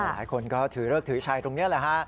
หลายคนก็ถือเลิกถือชัยตรงนี้แหละฮะ